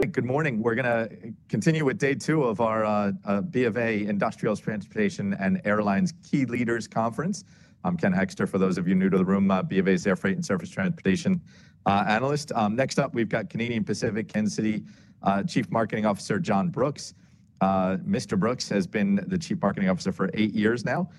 Good morning. We're going to continue with day two of our BofA Industrials, Transportation, and Airlines Key Leaders Conference. I'm Ken Hekster. For those of you new to the room, B of A is Air Freight & Service Transportation Analyst. Next up, we've got Canadian Pacific Kansas City Chief Marketing Officer John Brooks. Mr. Brooks has been the Chief Marketing Officer for eight years now.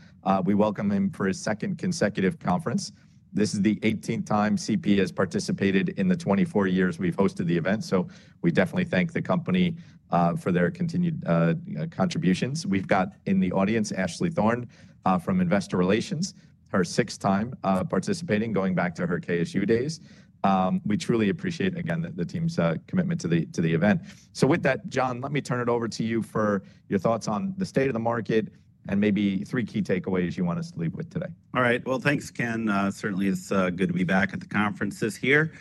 We welcome him for his second consecutive conference. This is the 18th time CP has participated in the 24 years we've hosted the event, so we definitely thank the company for their continued contributions. We've got in the audience Ashley Thorn from Investor Relations, her sixth time participating, going back to her KSU days. We truly appreciate, again, the team's commitment to the event. With that, John, let me turn it over to you for your thoughts on the state of the market and maybe three key takeaways you want us to leave with today. All right. Thanks, Ken. Certainly, it's good to be back at the conferences here.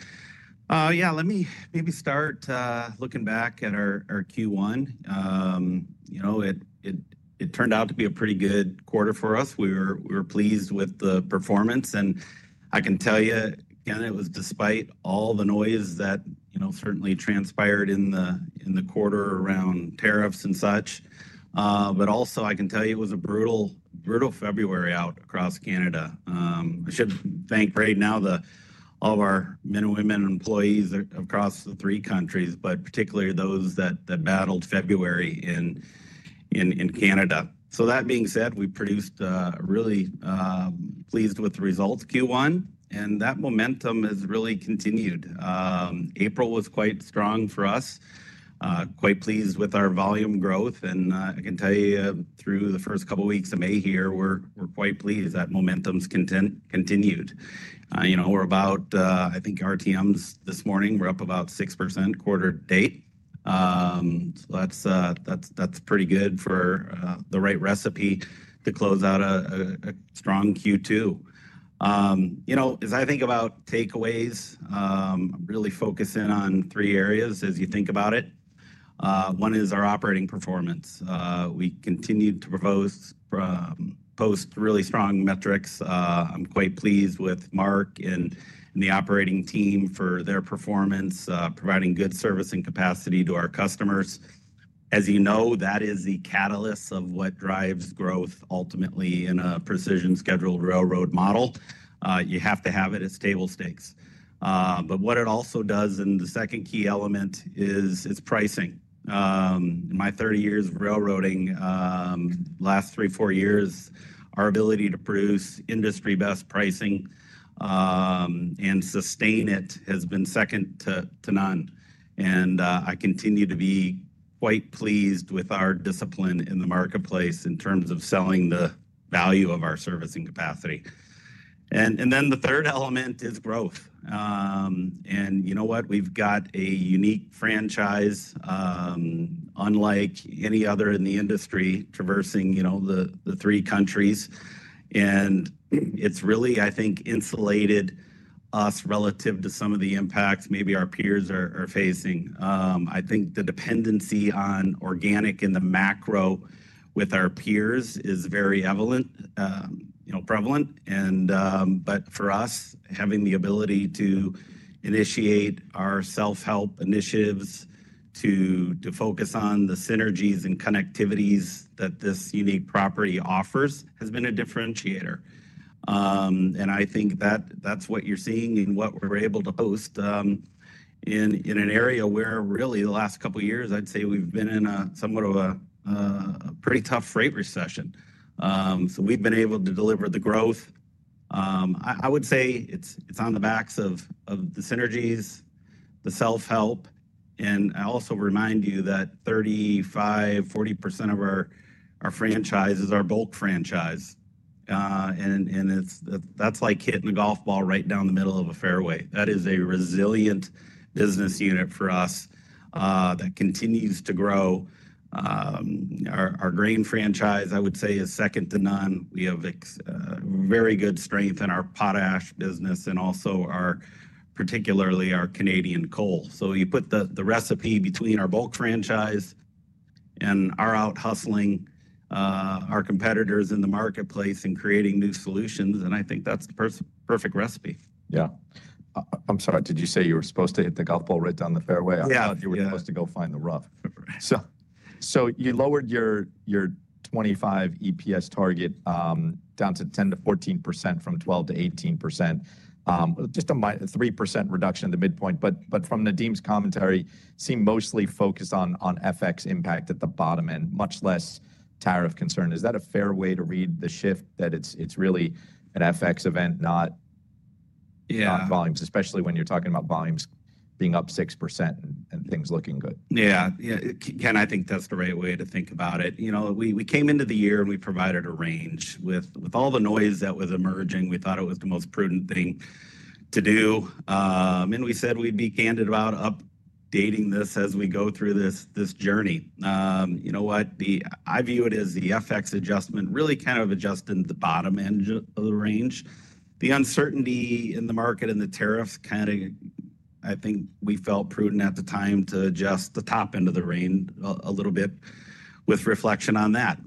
Yeah, let me maybe start looking back at our Q1. You know, it turned out to be a pretty good quarter for us. We were pleased with the performance. I can tell you, Ken, it was despite all the noise that certainly transpired in the quarter around tariffs and such. I can also tell you it was a brutal February out across Canada. I should thank right now all of our men and women employees across the three countries, but particularly those that battled February in Canada. That being said, we produced really pleased with the results, Q1. That momentum has really continued. April was quite strong for us, quite pleased with our volume growth. I can tell you through the first couple of weeks of May here, we're quite pleased that momentum's continued. You know, we're about, I think, RTMs this morning, we're up about 6% quarter to date. That is pretty good for the right recipe to close out a strong Q2. You know, as I think about takeaways, I'm really focusing on three areas as you think about it. One is our operating performance. We continued to post really strong metrics. I'm quite pleased with Mark and the operating team for their performance, providing good service and capacity to our customers. As you know, that is the catalyst of what drives growth ultimately in a Precision Scheduled Railroad Model. You have to have it as table stakes. What it also does, and the second key element, is pricing. In my 30 years of railroading, the last three, four years, our ability to produce industry-best pricing and sustain it has been second to none. I continue to be quite pleased with our discipline in the marketplace in terms of selling the value of our service and capacity. The third element is growth. You know what? We've got a unique franchise, unlike any other in the industry, traversing the three countries. It really, I think, insulated us relative to some of the impacts maybe our peers are facing. I think the dependency on organic and the macro with our peers is very prevalent. For us, having the ability to initiate our self-help initiatives, to focus on the synergies and connectivities that this unique property offers has been a differentiator. I think that that's what you're seeing in what we're able to host in an area where really the last couple of years, I'd say we've been in somewhat of a pretty tough freight recession. We've been able to deliver the growth. I would say it's on the backs of the synergies, the self-help. I also remind you that 35-40% of our franchise is our bulk franchise. That's like hitting a golf ball right down the middle of a fairway. That is a resilient business unit for us that continues to grow. Our grain franchise, I would say, is second to none. We have very good strength in our potash business and also particularly our Canadian coal. You put the recipe between our bulk franchise and our out-hustling, our competitors in the marketplace and creating new solutions, and I think that's the perfect recipe. Yeah. I'm sorry. Did you say you were supposed to hit the golf ball right down the fairway? Yeah. I thought you were supposed to go find the rough. So you lowered your 2025 EPS target down to 10-14% from 12-18%, just a 3% reduction at the midpoint. From Nadeem's commentary, seemed mostly focused on FX impact at the bottom end, much less tariff concern. Is that a fair way to read the shift that it's really an FX event, not volumes, especially when you're talking about volumes being up 6% and things looking good? Yeah. Yeah. Ken, I think that's the right way to think about it. You know, we came into the year and we provided a range. With all the noise that was emerging, we thought it was the most prudent thing to do. And we said we'd be candid about updating this as we go through this journey. You know what? I view it as the FX adjustment, really kind of adjusting the bottom end of the range. The uncertainty in the market and the tariffs, kind of, I think we felt prudent at the time to adjust the top end of the range a little bit with reflection on that.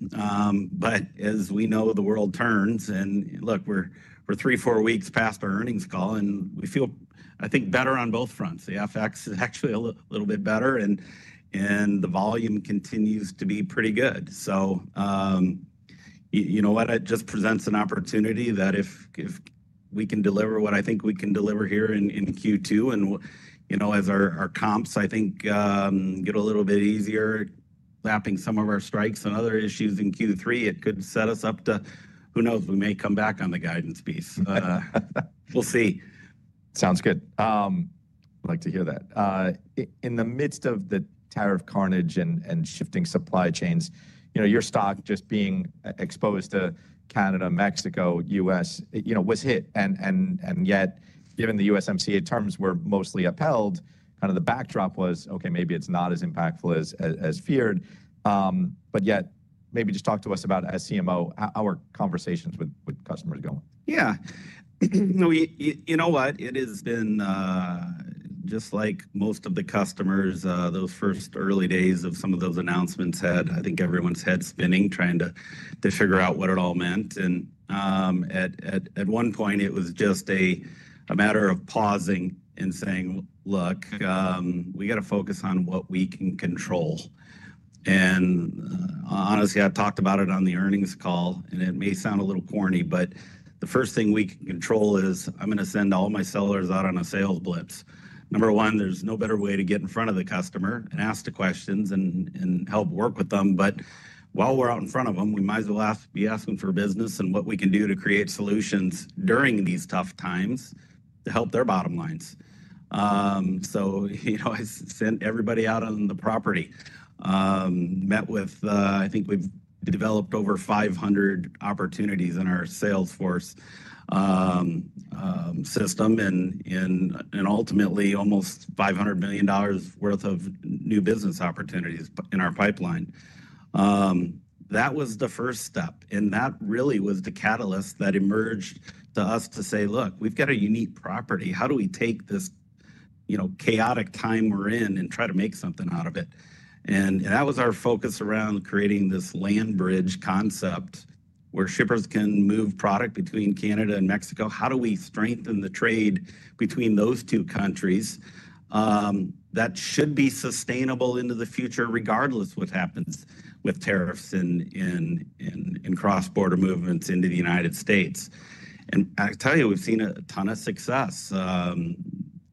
As we know, the world turns. Look, we're three, four weeks past our earnings call, and we feel, I think, better on both fronts. The FX is actually a little bit better, and the volume continues to be pretty good. You know what? It just presents an opportunity that if we can deliver what I think we can deliver here in Q2, and as our comps, I think, get a little bit easier lapping some of our strikes and other issues in Q3, it could set us up to, who knows, we may come back on the guidance piece. We'll see. Sounds good. I'd like to hear that. In the midst of the tariff carnage and shifting supply chains, your stock just being exposed to Canada, Mexico, US, you know, was hit. Yet, given the USMCA terms were mostly upheld, kind of the backdrop was, okay, maybe it's not as impactful as feared. Yet, maybe just talk to us about, as CMO, how are conversations with customers going? Yeah. You know what? It has been just like most of the customers, those first early days of some of those announcements had, I think, everyone's head spinning trying to figure out what it all meant. At one point, it was just a matter of pausing and saying, look, we got to focus on what we can control. Honestly, I talked about it on the earnings call, and it may sound a little corny, but the first thing we can control is I'm going to send all my sellers out on a sales blitz. Number one, there's no better way to get in front of the customer and ask the questions and help work with them. While we're out in front of them, we might as well be asking for business and what we can do to create solutions during these tough times to help their bottom lines. I sent everybody out on the property, met with, I think we've developed over 500 opportunities in our Salesforce system and ultimately almost $500 million worth of new business opportunities in our pipeline. That was the first step. That really was the catalyst that emerged to us to say, look, we've got a unique property. How do we take this chaotic time we're in and try to make something out of it? That was our focus around creating this land-bridge concept where shippers can move product between Canada and Mexico. How do we strengthen the trade between those two countries that should be sustainable into the future, regardless of what happens with tariffs and cross-border movements into the United States? I tell you, we've seen a ton of success.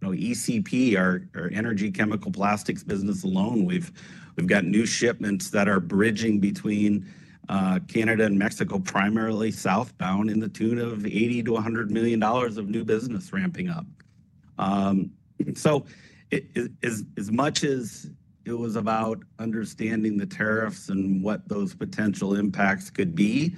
ECP, our energy-chemical-plastics business alone, we've got new shipments that are bridging between Canada and Mexico, primarily southbound, in the tune of $80-$100 million of new business ramping up. As much as it was about understanding the tariffs and what those potential impacts could be,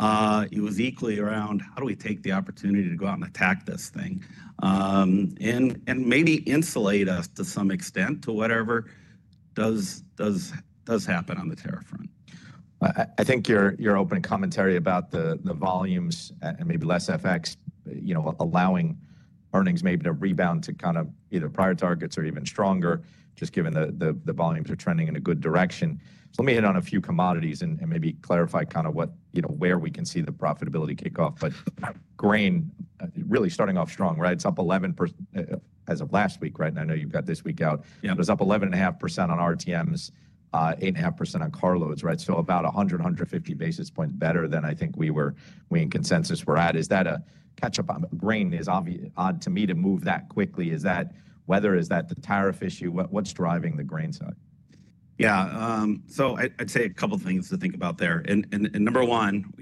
it was equally around how do we take the opportunity to go out and attack this thing and maybe insulate us to some extent to whatever does happen on the tariff front. I think your opening commentary about the volumes and maybe less FX allowing earnings maybe to rebound to kind of either prior targets or even stronger, just given the volumes are trending in a good direction. Let me hit on a few commodities and maybe clarify kind of where we can see the profitability kick off. Grain, really starting off strong, right? It is up 11% as of last week, right? I know you have got this week out. It was up 11.5% on RTMs, 8.5% on car loads, right? About 100-150 basis points better than I think we were in consensus we are at. Is that a catch-up? Grain is odd to me to move that quickly. Whether is that the tariff issue? What is driving the grain side? Yeah. I'd say a couple of things to think about there. Number one,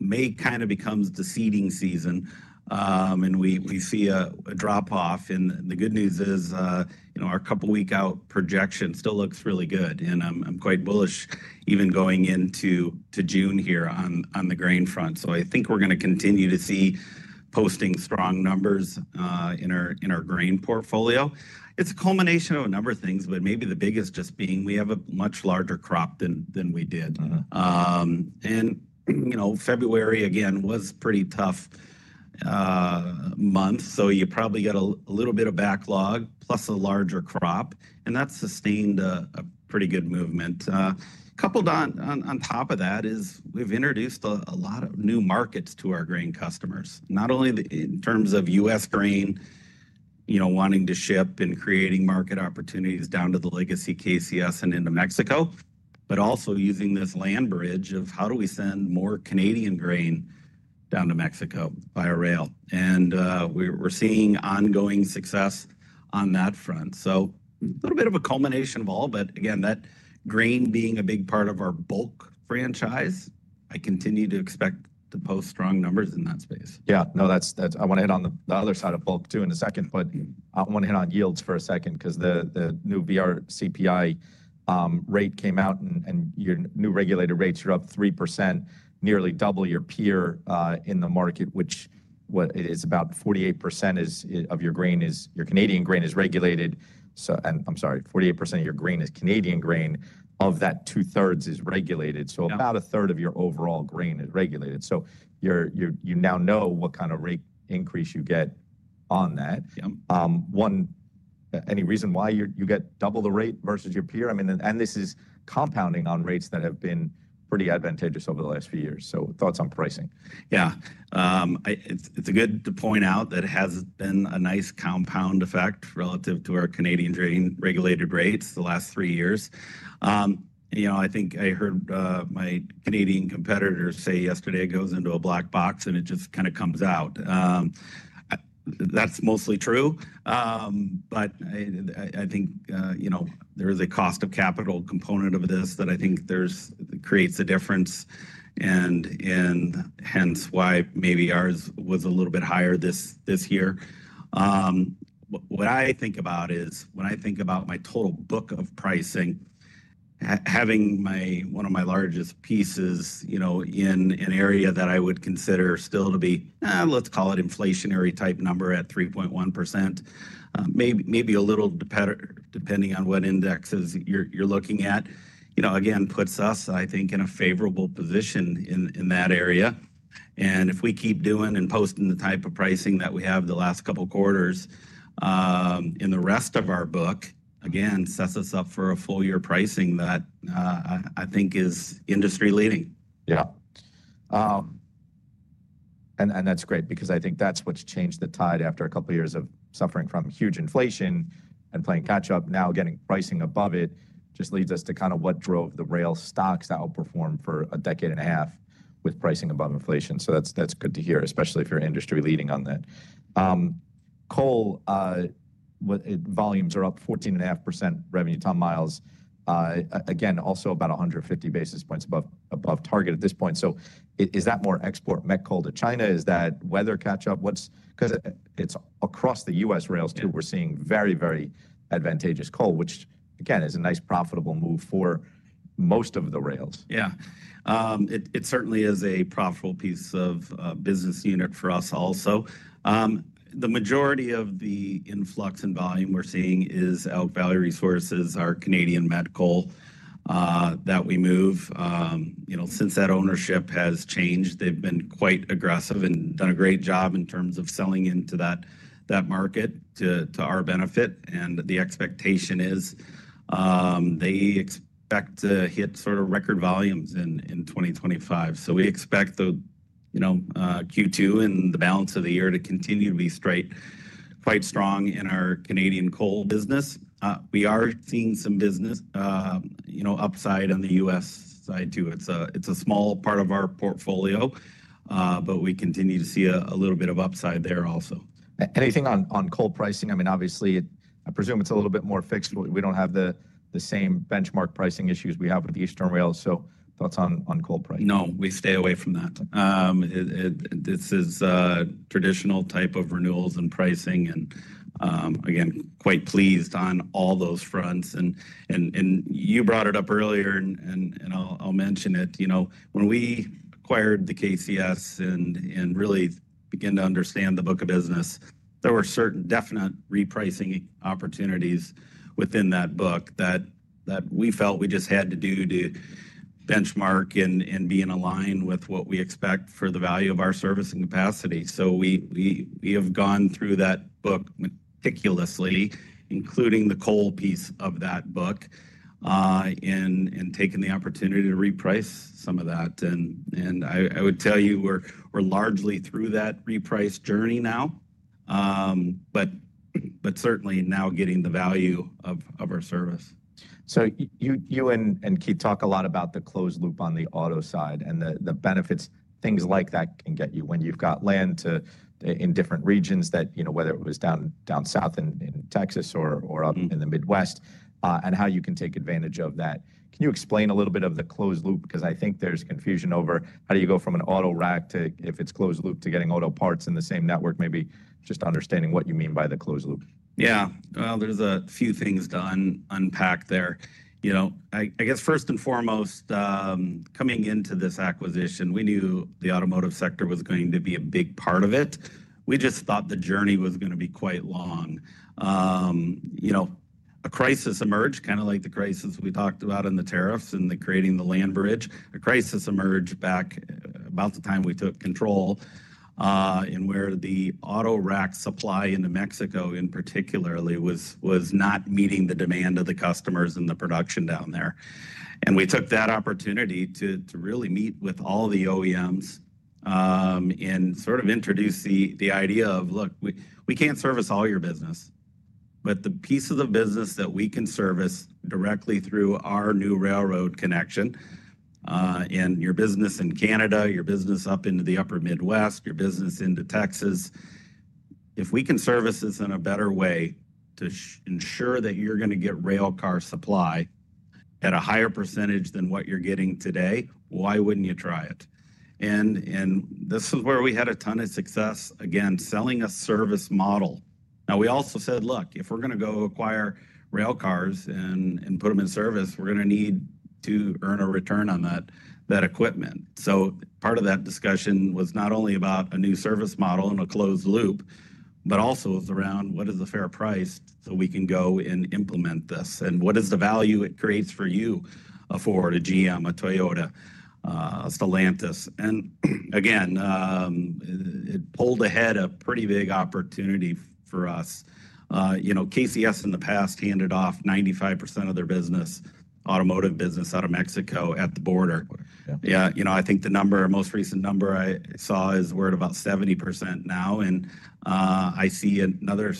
May kind of becomes the seeding season, and we see a drop-off. The good news is our couple-week-out projection still looks really good. I'm quite bullish even going into June here on the grain front. I think we're going to continue to see posting strong numbers in our grain portfolio. It's a culmination of a number of things, but maybe the biggest just being we have a much larger crop than we did. February, again, was a pretty tough month. You probably got a little bit of backlog, plus a larger crop. That's sustained a pretty good movement. Coupled on top of that is we've introduced a lot of new markets to our grain customers, not only in terms of U.S. grain wanting to ship and creating market opportunities down to the legacy Kansas City Southern and into Mexico, but also using this land bridge of how do we send more Canadian grain down to Mexico via rail. We're seeing ongoing success on that front. A little bit of a culmination of all, but again, that grain being a big part of our bulk franchise, I continue to expect to post strong numbers in that space. Yeah. No, I want to hit on the other side of bulk too in a second. I want to hit on yields for a second because the new VRCPI rate came out, and your new regulated rates are up 3%, nearly double your peer in the market, which is about 48% of your grain is your Canadian grain is regulated. I'm sorry, 48% of your grain is Canadian grain. Of that, two-thirds is regulated. So about a third of your overall grain is regulated. You now know what kind of rate increase you get on that. Any reason why you get double the rate versus your peer? This is compounding on rates that have been pretty advantageous over the last few years. Thoughts on pricing? Yeah. It's good to point out that it has been a nice compound effect relative to our Canadian grain regulated rates the last three years. You know, I think I heard my Canadian competitors say yesterday it goes into a black box and it just kind of comes out. That's mostly true. I think there is a cost of capital component of this that I think creates a difference, and hence why maybe ours was a little bit higher this year. What I think about is when I think about my total book of pricing, having one of my largest pieces in an area that I would consider still to be, let's call it inflationary type number at 3.1%, maybe a little depending on what indexes you're looking at, again, puts us, I think, in a favorable position in that area. If we keep doing and posting the type of pricing that we have the last couple of quarters in the rest of our book, again, sets us up for a full-year pricing that I think is industry-leading. Yeah. That is great because I think that is what has changed the tide after a couple of years of suffering from huge inflation and playing catch-up, now getting pricing above it just leads us to kind of what drove the rail stocks outperform for a decade and a half with pricing above inflation. That is good to hear, especially if you are industry-leading on that. Coal volumes are up 14.5% revenue ton-miles. Again, also about 150 basis points above target at this point. Is that more export, met coal to China? Is that weather catch-up? Because it is across the U.S. rails too, we are seeing very, very advantageous coal, which again is a nice profitable move for most of the rails. Yeah. It certainly is a profitable piece of business unit for us also. The majority of the influx and volume we're seeing is Elk Valley Resources, our Canadian met coal that we move. Since that ownership has changed, they've been quite aggressive and done a great job in terms of selling into that market to our benefit. The expectation is they expect to hit sort of record volumes in 2025. We expect Q2 and the balance of the year to continue to be quite strong in our Canadian coal business. We are seeing some business upside on the U.S. side too. It's a small part of our portfolio, but we continue to see a little bit of upside there also. Anything on coal pricing? I mean, obviously, I presume it's a little bit more fixed. We don't have the same benchmark pricing issues we have with Eastern Rail. Thoughts on coal pricing? No, we stay away from that. This is a traditional-type of renewals and pricing. Again, quite pleased on all those fronts. You brought it up earlier, and I'll mention it. When we acquired the KCS and really began to understand the book of business, there were certain definite repricing opportunities within that book that we felt we just had to do to benchmark and be in alignment with what we expect for the value of our service and capacity. We have gone through that book meticulously, including the coal piece of that book, and taken the opportunity to reprice some of that. I would tell you, we're largely through that reprice journey now, but certainly now getting the value of our service. You and Keith talk a lot about the closed loop on the auto side and the benefits, things like that can get you when you've got land in different regions, whether it was down south in Texas or up in the Midwest, and how you can take advantage of that. Can you explain a little bit of the closed loop? Because I think there's confusion over how do you go from an autorack to, if it's closed loop, to getting auto parts in the same network, maybe just understanding what you mean by the closed loop. Yeah. There are a few things to unpack there. I guess first and foremost, coming into this acquisition, we knew the automotive sector was going to be a big part of it. We just thought the journey was going to be quite long. A crisis emerged, kind of like the crisis we talked about in the tariffs and creating the land bridge. A crisis emerged back about the time we took control and where the autorack supply into Mexico, in particular, was not meeting the demand of the customers and the production down there. We took that opportunity to really meet with all the OEMs and sort of introduce the idea of, look, we can't service all your business, but the pieces of business that we can service directly through our new railroad connection and your business in Canada, your business up into the upper Midwest, your business into Texas, if we can service this in a better way to ensure that you're going to get railcar supply at a higher percentage than what you're getting today, why wouldn't you try it? This is where we had a ton of success, again, selling a service model. We also said, look, if we're going to go acquire railcars and put them in service, we're going to need to earn a return on that equipment. Part of that discussion was not only about a new service model and a closed loop, but also it was around what is the fair price so we can go and implement this and what is the value it creates for you, a Ford, a GM, a Toyota, a Stellantis. Again, it pulled ahead a pretty big opportunity for us. KCS in the past handed off 95% of their automotive business out of Mexico at the border. I think the most recent number I saw is we're at about 70% now. I see another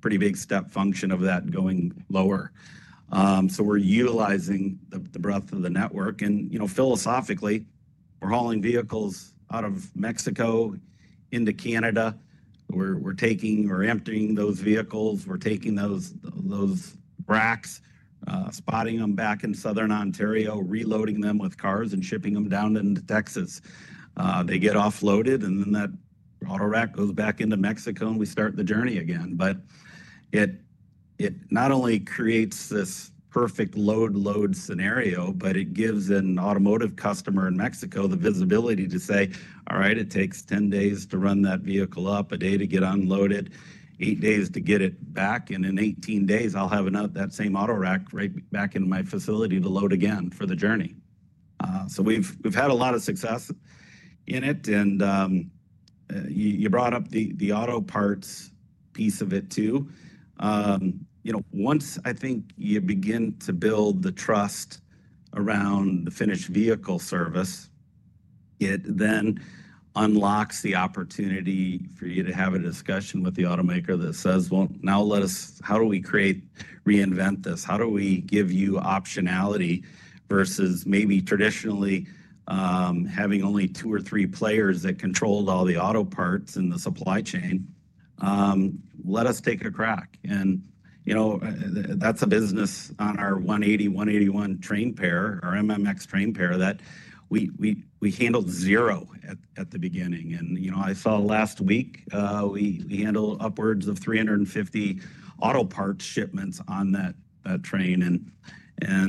pretty big step function of that going lower. We're utilizing the breadth of the network. Philosophically, we're hauling vehicles out of Mexico into Canada. We're taking or emptying those vehicles. We're taking those racks, spotting them back in Southern Ontario, reloading them with cars and shipping them down into Texas. They get offloaded, and then that auto rack goes back into Mexico, and we start the journey again. It not only creates this perfect load-load scenario, but it gives an automotive customer in Mexico the visibility to say, all right, it takes 10 days to run that vehicle up, a day to get unloaded, eight days to get it back, and in 18 days, I'll have that same auto rack right back in my facility to load again for the journey. We have had a lot of success in it. You brought up the auto parts piece of it too. Once I think you begin to build the trust around the finished vehicle service, it then unlocks the opportunity for you to have a discussion with the automaker that says, well, now let us, how do we create, reinvent this? How do we give you optionality versus maybe traditionally having only two or three players that controlled all the auto parts in the supply chain? Let's take a crack. That is a business on our 180, 181 train-pair, our MMX train-pair that we handled zero at the beginning. I saw last week, we handled upwards of 350 auto parts shipments on that train. I do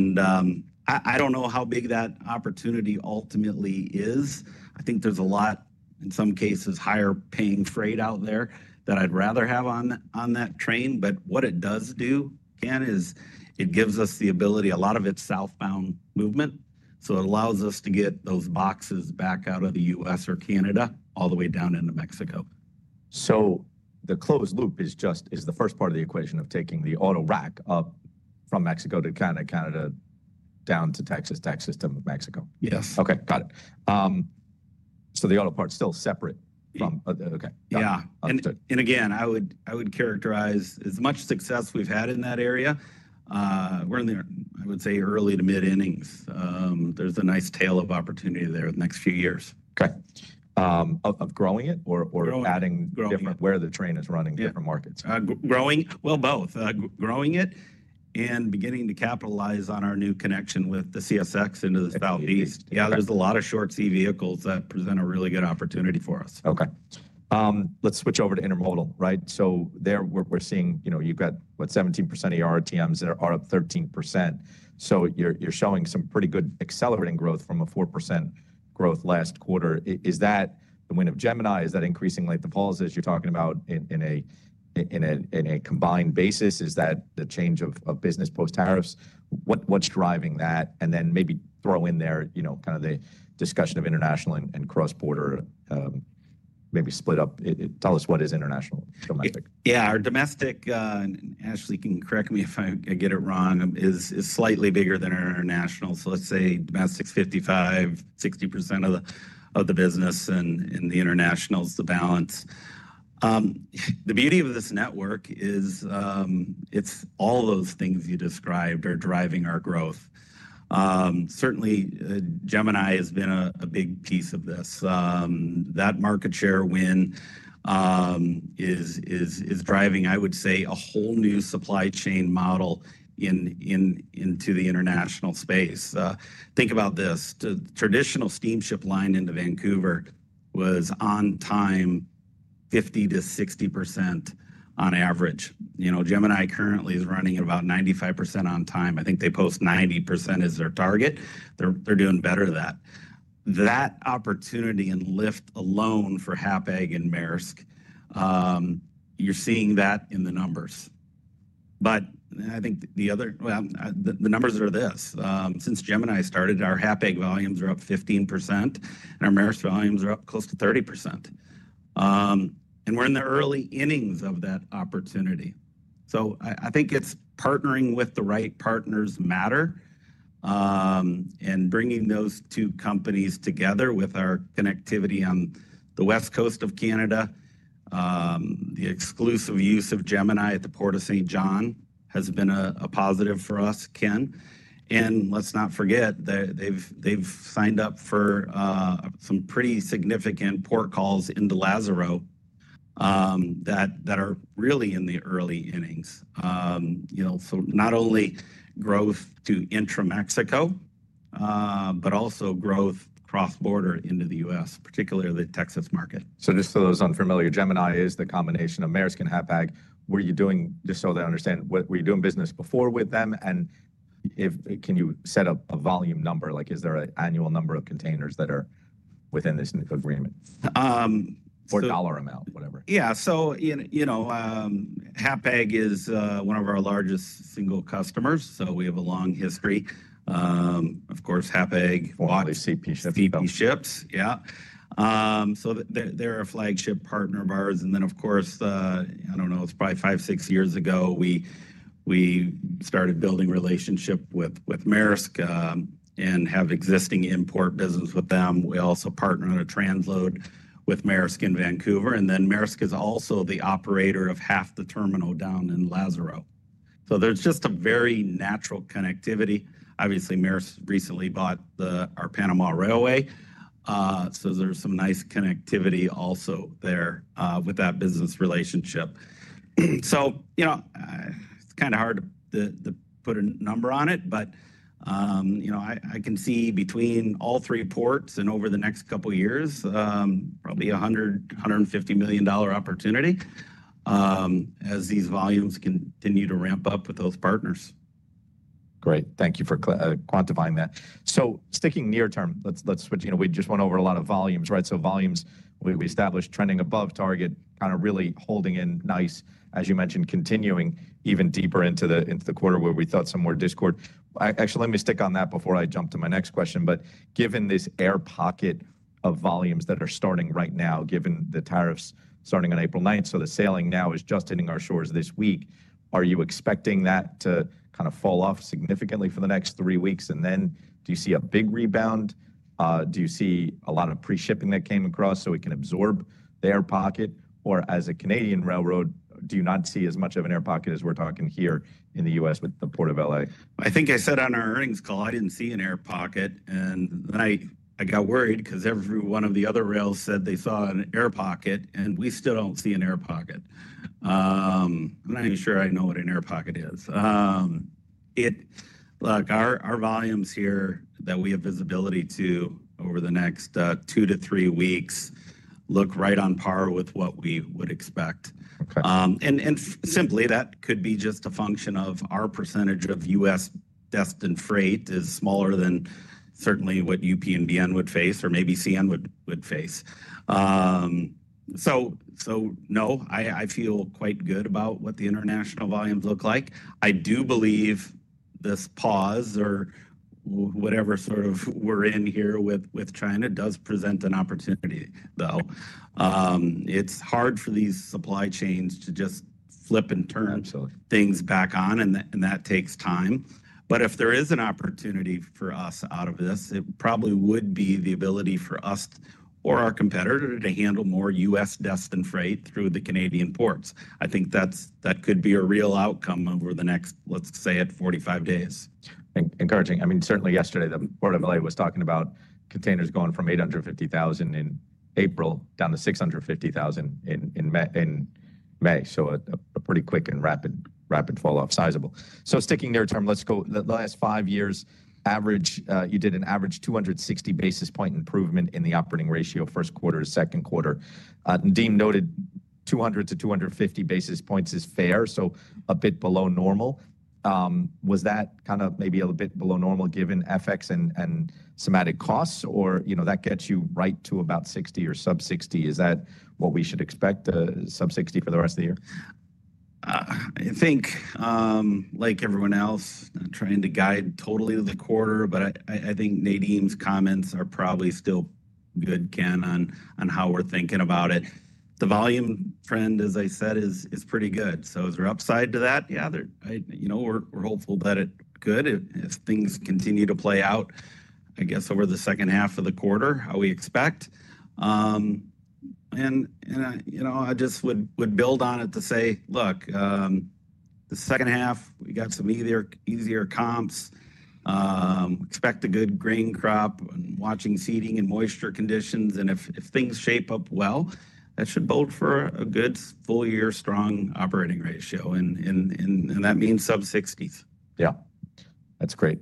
not know how big that opportunity ultimately is. I think there is a lot, in some cases, higher paying freight out there that I would rather have on that train. What it does do, Ken, is it gives us the ability, a lot of it's southbound movement. It allows us to get those boxes back out of the U.S. or Canada all the way down into Mexico. The closed loop is just the first part of the equation of taking the autorack up from Mexico to Canada, Canada down to Texas, Texas to Mexico. Yes. Okay. Got it. So the auto parts still separate from. Yeah. Again, I would characterize as much success as we've had in that area, we're in the, I would say, early-to-mid innings. There's a nice tail of opportunity there the next few years. Okay. Of growing it or adding where the train is running different markets? Growing, both. Growing it and beginning to capitalize on our new connection with the CSX into the Southeast. Yeah, there's a lot of short see vehicles that present a really good opportunity for us. Okay. Let's switch over to intermodal, right? So there we're seeing you've got, what, 17% of your RTMs that are up 13%. So you're showing some pretty good accelerating growth from a 4% growth last quarter. Is that the wind of Gemini? Is that increasing length of hauls as you're talking about in a combined basis? Is that the change of business post-tariffing? What's driving that? And then maybe throw in there kind of the discussion of international and cross-border. But maybe split up. Tell us what is international domestic. Yeah. Our domestic, and Ashley, can you correct me if I get it wrong, is slightly bigger than our international. Let's say domestic's 55-60% of the business, and the international's the balance. The beauty of this network is it's all those things you described are driving our growth. Certainly, Gemini has been a big piece of this. That market share win is driving, I would say, a whole new supply chain model into the international space. Think about this. The traditional steamship-line into Vancouver was on-time 50-60% on average. Gemini currently is running at about 95% on-time. I think they post 90% as their target. They're doing better than that. That opportunity and lift alone for Hapag and Maersk, you're seeing that in the numbers. I think the other, well, the numbers are this. Since Gemini started, our Hapag volumes are up 15%, and our Maersk volumes are up close to 30%. We're in the early innings of that opportunity. I think it's partnering with the right partners that matter and bringing those two companies together with our connectivity on the West Coast of Canada. The exclusive use of Gemini at the Port of Saint John has been a positive for us, Ken. Let's not forget that they've signed up for some pretty significant port-calls into Lázaro Cárdenas that are really in the early innings. Not only growth to intra-Mexico, but also growth cross-border into the U.S., particularly the Texas market. Just for those unfamiliar, Gemini is the combination of Maersk and Hapag. What are you doing? Just so they understand, were you doing business before with them? Can you set up a volume number? Is there an annual number of containers that are within this agreement, or dollar amount, whatever. Yeah. Hapag is one of our largest single customers. We have a long history. Of course, Hapag. Well, obviously. Ships. Yeah. So they're a flagship partner of ours. Of course, I don't know, it's probably five, six years ago we started building relationship with Maersk and have existing import business with them. We also partner on a trans-load with Maersk in Vancouver. Maersk is also the operator of half the terminal down in Lázaro. There is just a very natural connectivity. Obviously, Maersk recently bought our Panama Railway. There is some nice connectivity also there with that business relationship. It's kind of hard to put a number on it, but I can see between all three ports and over the next couple of years, probably a $100-$150 million opportunity as these volumes continue to ramp up with those partners. Great. Thank you for quantifying that. Sticking near term, let's switch. We just went over a lot of volumes, right? Volumes we established trending above target, kind of really holding in nice, as you mentioned, continuing even deeper into the quarter where we thought some more discord. Actually, let me stick on that before I jump to my next question. Given this air pocket of volumes that are starting right now, given the tariffs starting on April 9, the sailing now is just hitting our shores this week, are you expecting that to kind of fall off significantly for the next three weeks? Do you see a big rebound? Do you see a lot of pre-shipping that came across so we can absorb the air pocket? Or as a Canadian railroad, do you not see as much of an air pocket as we're talking here in the U.S. with the Port of Los Angeles? I think I said on our earnings call, I did not see an air pocket. I got worried because every one of the other rails said they saw an air pocket, and we still do not see an air pocket. I am not even sure I know what an air pocket is. Look, our volumes here that we have visibility to over the next two to three-weeks look right on par with what we would expect. That could be just a function of our percentage of U.S.-destined freight being smaller than certainly what UP and BNSF would face or maybe Canadian National would face. No, I feel quite good about what the international volumes look like. I do believe this pause or whatever sort of we are in here with China does present an opportunity, though. It's hard for these supply chains to just flip and turn things back on, and that takes time. If there is an opportunity for us out of this, it probably would be the ability for us or our competitor to handle more U.S.-destined freight through the Canadian ports. I think that could be a real outcome over the next, let's say, 45 days. Encouraging. I mean, certainly yesterday, the Port of Los Angeles was talking about containers going from 850,000 in April down to 650,000 in May. A pretty quick and rapid falloff, sizable. Sticking near term, let's go the last five years, you did an average 260 basis point improvement in the operating ratio first quarter to second quarter. Dean noted 200-250 basis points is fair, so a bit below normal. Was that kind of maybe a bit below normal given FX and systemic costs? That gets you right to about 60 or sub-60. Is that what we should expect, sub-60 for the rest of the year? I think, like everyone else, not trying to guide totally the quarter, but I think Nadeem's comments are probably still good, Ken, on how we're thinking about it. The volume trend, as I said, is pretty good. Is there upside to that? Yeah, we're hopeful that it's good if things continue to play out, I guess, over the second half of the quarter, how we expect. I just would build on it to say, look, the second half, we got some easier comps. Expect a good grain crop and watching seeding and moisture conditions. If things shape up well, that should bode for a good full-year strong operating ratio. That means sub-60%. Yeah. That's great.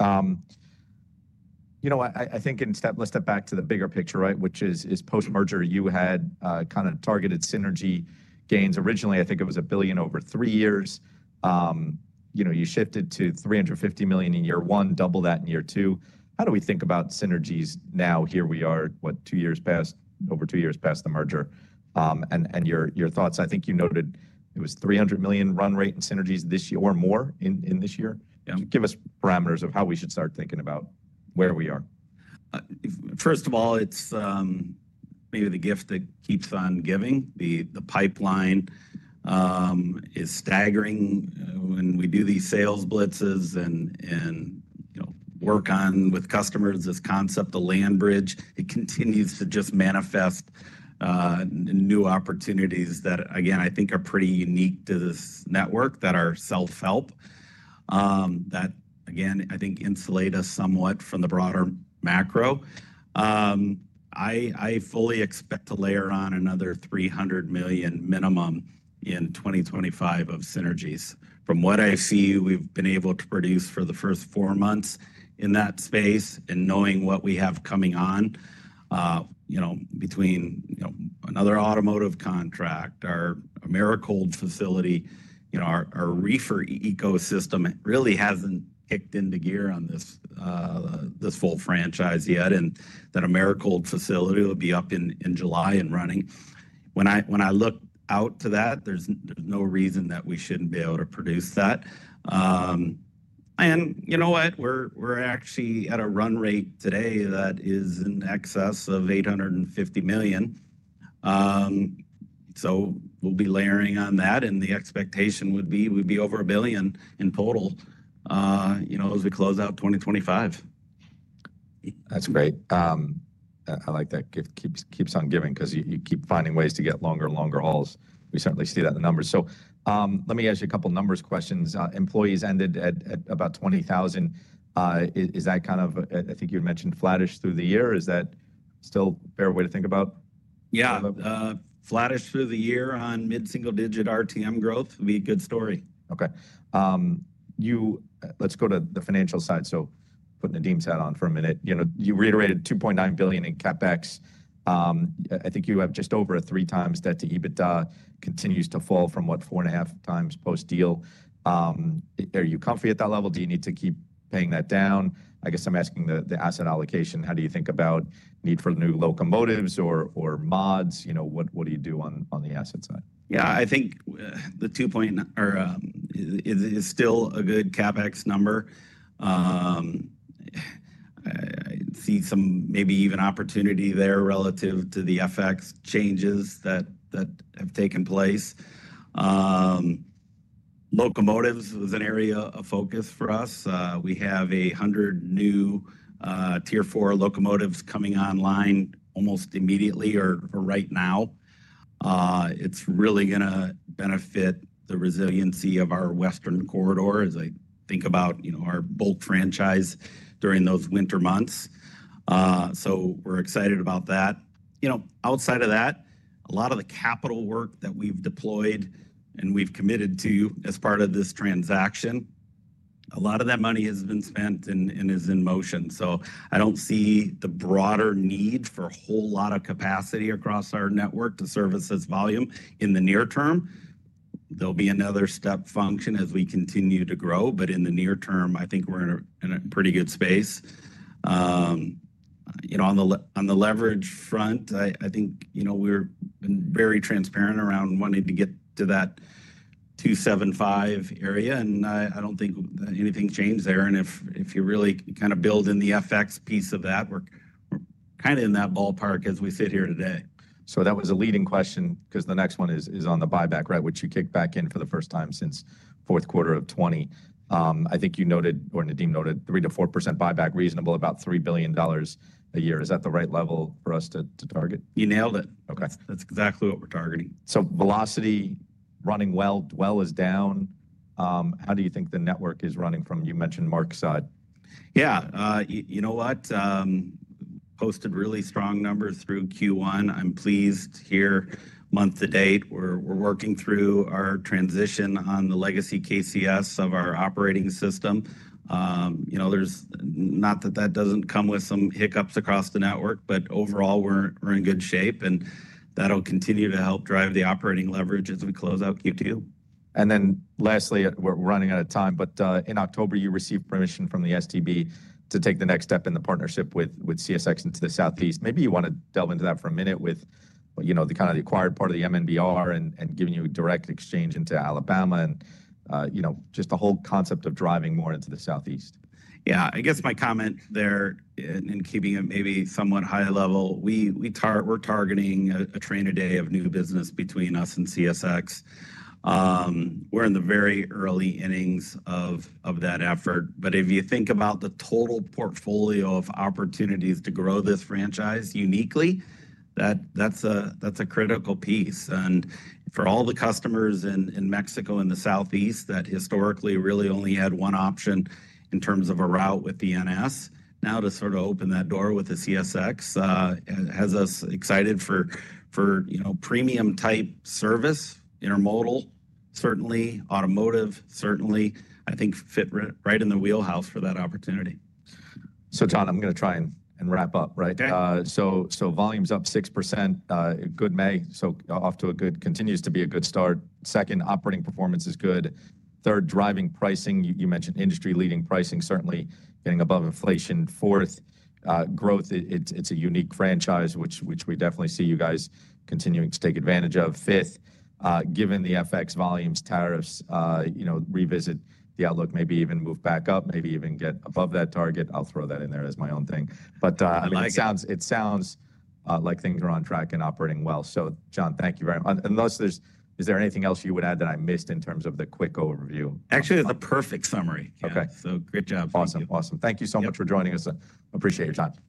You know, I think let's step back to the bigger picture, right? Which is post-merger, you had kind of targeted synergy gains. Originally, I think it was $1 billion over three years. You shifted to $350 million in year one, double that in year two. How do we think about synergies now? Here we are, what, two years past, over two years past the merger. And your thoughts, I think you noted it was $300 million run-rate in synergies this year or more in this year. Give us parameters of how we should start thinking about where we are. First of all, it's maybe the gift that keeps on giving. The pipeline is staggering when we do these sales blitzes and work on with customers this concept of land bridge. It continues to just manifest new opportunities that, again, I think are pretty unique to this network that are self-help. That, again, I think insulate us somewhat from the broader macro. I fully expect to layer on another $300 million minimum in 2025 of synergies. From what I see, we've been able to produce for the first four months in that space and knowing what we have coming on between another automotive contract, our Americold facility, our reefer ecosystem really hasn't kicked into gear on this full franchise yet. And that Americold facility will be up in July and running. When I look out to that, there's no reason that we shouldn't be able to produce that. You know what? We're actually at a run-rate today that is in excess of $850 million. We will be layering on that. The expectation would be we would be over $1 billion in total as we close out 2025. That's great. I like that gift. Keeps on giving because you keep finding ways to get longer and longer hauls. We certainly see that in the numbers. Let me ask you a couple of numbers questions. Employees ended at about 20,000. Is that kind of, I think you mentioned flattish through the year. Is that still a fair way to think about? Yeah. Flattish through the year on mid-single-digit RTM growth would be a good story. Okay. Let's go to the financial side. Putting the Dean's hat on for a minute, you reiterated $2.9 billion in CapEx. I think you have just over a 3x debt to EBITDA, continues to fall from, what, four and a half times post-deal. Are you comfy at that level? Do you need to keep paying that down? I guess I'm asking the asset allocation. How do you think about need for new locomotives or mods? What do you do on the asset side? Yeah, I think the $2.0B is still a good CapEx number. I see some maybe even opportunity there relative to the FX changes that have taken place. Locomotives was an area of focus for us. We have 100 new tier four locomotives coming online almost immediately or right now. It's really going to benefit the resiliency of our Western Corridor as I think about our bulk franchise during those winter months. We are excited about that. Outside of that, a lot of the capital work that we've deployed and we've committed to as part of this transaction, a lot of that money has been spent and is in motion. I don't see the broader need for a whole lot of capacity across our network to service this volume in the near term. There'll be another step function as we continue to grow. In the near term, I think we're in a pretty good space. On the leverage front, I think we're very transparent around wanting to get to that 2.75x area. I don't think anything changed there. If you really kind of build in the FX piece of that, we're kind of in that ballpark as we sit here today. That was a leading question because the next one is on the buyback, right? Which you kicked back in for the first time since fourth quarter of 2020. I think you noted, or Nadeem noted, 3-4% buyback reasonable, about $3 billion a year. Is that the right level for us to target? You nailed it. That's exactly what we're targeting. Velocity running well, dwell is down. How do you think the network is running from, you mentioned Mark's side? Yeah. You know what? Posted really strong numbers through Q1. I'm pleased here month-to-date. We're working through our transition on the legacy Kansas City Southern of our operating system. Not that that doesn't come with some hiccups across the network, but overall, we're in good shape. That'll continue to help drive the operating leverage as we close out Q2. Lastly, we're running out of time, but in October, you received permission from the STB to take the next step in the partnership with CSX into the Southeast. Maybe you want to delve into that for a minute with the kind of the acquired part of the MNBR and giving you direct exchange into Alabama and just the whole concept of driving more into the Southeast. Yeah. I guess my comment there and keeping it maybe somewhat high level, we're targeting a train-a-day of new business between us and CSX. We're in the very early innings of that effort. If you think about the total portfolio of opportunities to grow this franchise uniquely, that's a critical piece. For all the customers in Mexico and the Southeast that historically really only had one option in terms of a route with the NS, now to sort of open that door with the CSX has us excited for premium-type service, intermodal, certainly automotive, certainly I think fit right in the wheelhouse for that opportunity. John, I'm going to try and wrap up, right? Volume's up 6%. Good May. Off to a good, continues to be a good start. Second, operating performance is good. Third, driving pricing. You mentioned industry-leading pricing, certainly getting above inflation. Fourth, growth. It's a unique franchise, which we definitely see you guys continuing to take advantage of. Fifth, given the FX, volumes and tariffs, revisit the outlook, maybe even move back up, maybe even get above that target. I'll throw that in there as my own thing. It sounds like things are on track and operating well. John, thank you very much. Unless there is anything else you would add that I missed in terms of the quick overview? Actually, it's a perfect summary. So great job, John. Awesome. Awesome. Thank you so much for joining us. Appreciate your time.